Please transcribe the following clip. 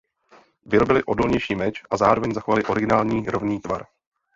Vyrobili odolnější meč a zároveň zachovali originální rovný tvar.